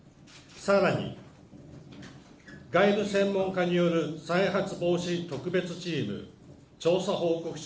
さらにガイド専門家による再発防止特別チーム調査報告書